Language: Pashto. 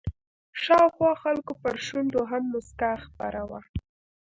شاوخوا خلکو پر شونډو هم مسکا خپره وه.